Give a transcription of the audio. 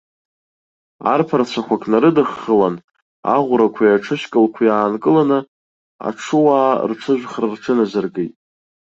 Арԥарцәак нарыдыххылан, аӷәрақәеи аҽышькылқәеи аанкыланы, аҽуаа рҽыжәхра рҽыназыркит.